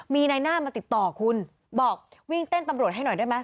มีนายหน้ามาติดต่อคุณบอกวิ่งเต้นตำรวจให้หน่อยได้ไหม